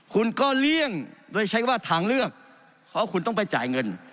คุณก็เลี่ยงโดยใช้ว่าทางเลือกเพราะคุณต้องไปจ่ายเงิน